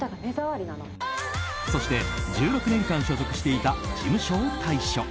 そして、１６年間所属していた事務所を退所。